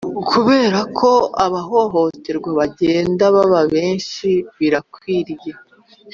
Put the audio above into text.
Kubera ko abahohoterwa bagenda baba benshi birakwiriye